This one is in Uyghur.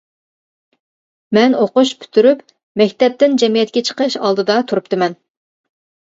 مەن ئوقۇش پۈتتۈرۈپ مەكتەپتىن جەمئىيەتكە چىقىش ئالدىدا تۇرۇپتىمەن.